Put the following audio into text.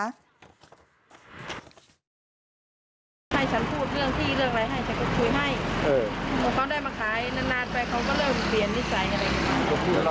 ให้ฉันพูดเรื่องที่เรื่องอะไรให้ฉันก็คุยให้